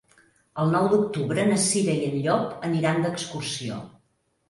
El nou d'octubre na Cira i en Llop aniran d'excursió.